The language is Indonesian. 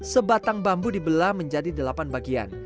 sebatang bambu dibelah menjadi delapan bagian